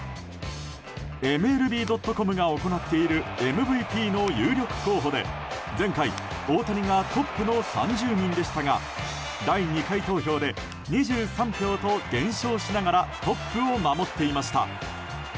ＭＬＢ．ｃｏｍが行っているＭＶＰの有力候補で前回、大谷がトップの３０人でしたが第２回投票で２３票と減少しながらトップを守っていました。